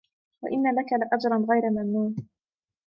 وإن لك لأجرا غير ممنون